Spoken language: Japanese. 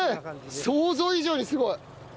想像以上にすごい！